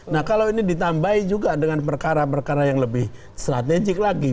nah kalau ini ditambahi juga dengan perkara perkara yang lebih strategik lagi